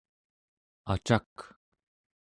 acak¹